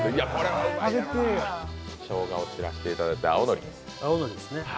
しょうがを散らしていただいて、青のり。